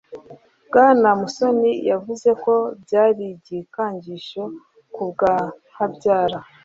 bwana musoni yavuze ko byari igikangisho kubwa habyara